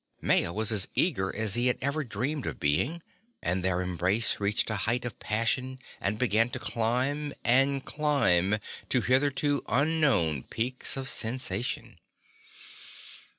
Maya was as eager as he had ever dreamed of being, and their embrace reached a height of passion and began to climb and climb to hitherto unknown peaks of sensation.